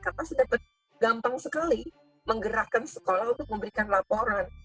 karena sudah gampang sekali menggerakkan sekolah untuk memberikan laporan